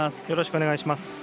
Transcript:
よろしくお願いします。